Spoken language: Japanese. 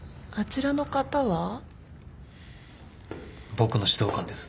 僕の指導官です。